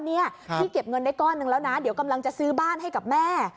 พี่เก็บเงินได้ก้อนหนึ่งแล้วนะเดี๋ยวกำลังจะซื้อบ้านให้กับแม่